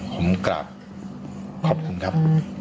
ผมกราบขอบคุณครับ